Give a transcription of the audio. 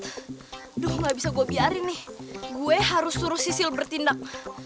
aduh gak bisa gue biarin nih gue harus suruh sisil bertindak